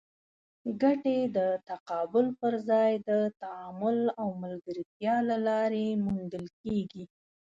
ګټې د تقابل پر ځای د تعامل او ملګرتیا له لارې موندل کېږي.